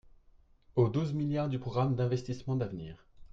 Aux douze milliards du programme d’investissements d’avenir.